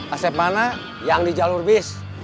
asep mana yang di jalur bis